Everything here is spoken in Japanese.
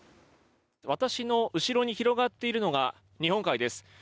私の後ろに広がっているのが日本海です。